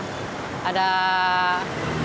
jadi jumlah dagingnya biasa